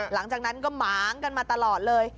หลังจากนั้นก็หมางกันมาตลอดเลย